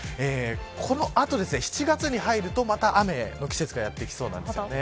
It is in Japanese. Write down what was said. この後、７月に入るとまた雨の季節がやってきそうなんですね。